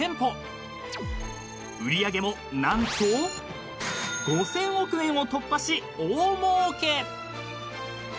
［売り上げも何と５，０００億円を突破し大もうけ！］